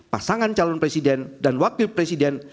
pasangan calon presiden dan wakil presiden